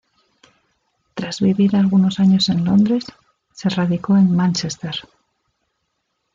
Tras vivir algunos años en Londres, se radicó en Manchester.